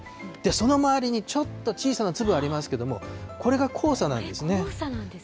その周りにちょっと小さな粒ありますけれども、これが黄砂なんでこれ、黄砂なんですね。